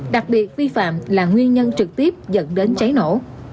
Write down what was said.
đặc biệt vi phạm là nguyên nhân trực tiếp dẫn đến cháy nổ